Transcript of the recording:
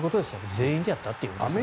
全員でやったということですよね。